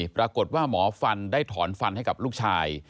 ปรากฏว่าหมอฟันได้ถอนฟันให้กับลูกชาย